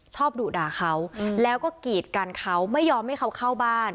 ดุด่าเขาแล้วก็กีดกันเขาไม่ยอมให้เขาเข้าบ้าน